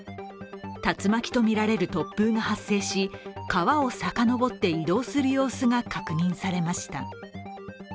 竜巻とみられる突風が発生し川をさかのぼって移動する様子が確認されました。